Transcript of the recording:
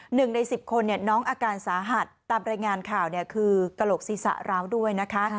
หนึ่งในสิบคนเนี่ยน้องอาการสาหัสตามรายงานข่าวคือกระโหลกศีรษะร้าวด้วยนะคะ